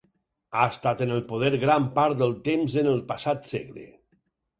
Ha estat en el poder gran part del temps en el passat segle.